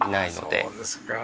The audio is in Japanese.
あっそうですか。